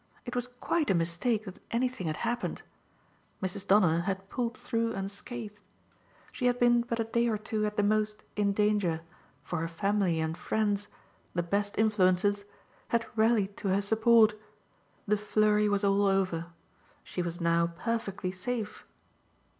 It was quite a mistake that anything had happened Mrs. Donner had pulled through unscathed. She had been but a day or two at the most in danger, for her family and friends the best influences had rallied to her support: the flurry was all over. She was now perfectly safe.